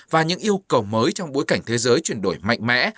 và những yêu cầu mới trong bối cảnh thế giới chuyển đổi mạnh mẽ